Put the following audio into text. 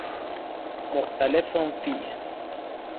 مختلف فیه